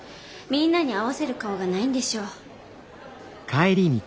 みんなに合わせる顔がないんでしょ。